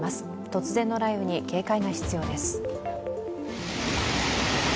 突然の雷雨に警戒が必要です。